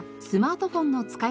スマートフォン教室に。